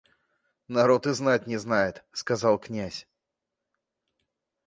Народ и знать не знает, — сказал князь.